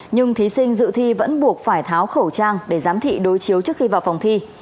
nhưng thí sinh dự thi vẫn buộc phải tháo khẩu trang để giám thị đối chiếu trước khi vào phòng thi